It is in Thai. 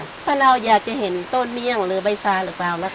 ถ้าเราอยากจะเห็นต้นเมี่ยงหรือใบซาหรือเปล่านะคะ